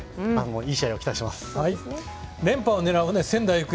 いい勝負を期待しています。